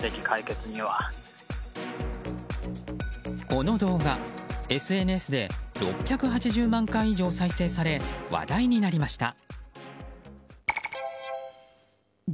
この動画、ＳＮＳで６８０万回以上再生され話題になりました。